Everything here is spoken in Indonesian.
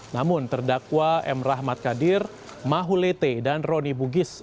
namun terdakwah m rahmat kadir mahulete dan rony bugis